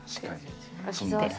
確かに。